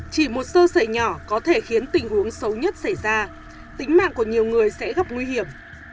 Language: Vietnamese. chỉ một sơ sợi nhỏ có thể khiến tình huống xấu nhất xảy ra tính mạng của nhiều người sẽ gặp nguy hiểm